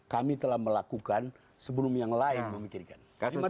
kami telah melakukan sebelum yang lain memikirkan